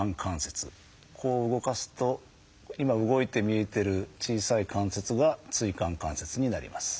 こう動かすと今動いて見えてる小さい関節が椎間関節になります。